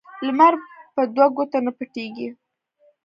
لمر په دوو ګوتو نه پټيږي.